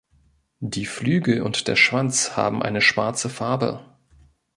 Die Flügel und der Schwanz haben eine schwarze Farbe.